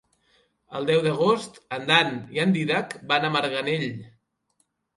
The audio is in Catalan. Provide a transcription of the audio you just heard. El deu d'agost en Dan i en Dídac van a Marganell.